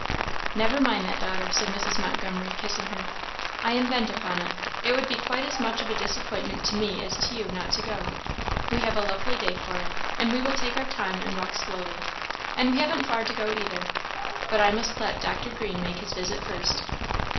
"Never mind that, daughter," said Mrs. Montgomery, kissing her; "I am bent upon it; it would be quite as much of a disappointment to me as to you, not to go. We have a lovely day for it, and we will take our time and walk slowly, and we haven't far to go either. But I must let Dr. Green make his visit first."